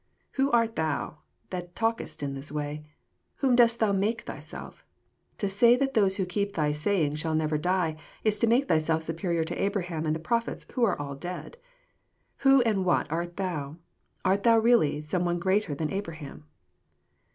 — "Who art Thou that talkest in this way? Whom cost Thou make Thyself? To say that those who keep Thy saying shall never die is to make Thyself superior to Abraham and the prophets, who are all dead. Who and what art Thou ? Art thou really some one greater than Abraham?